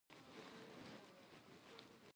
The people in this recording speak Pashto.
چې نور پخپله تشناب ته تلاى سوم.